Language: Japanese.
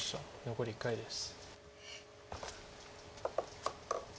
残り１回です。